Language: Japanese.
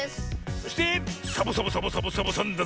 そしてサボサボサボサボサボさんだぜえ。